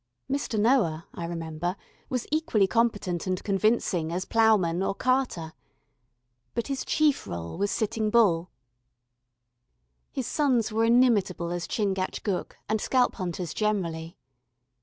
Mr. Noah, I remember, was equally competent and convincing as ploughman or carter. But his chief rôle was Sitting Bull. His sons were inimitable as Chingachgook and scalp hunters generally.